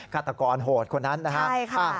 กตักรโหดคนนั้นครับ